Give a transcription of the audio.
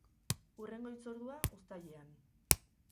Hurrengo hitzordua, uztailean.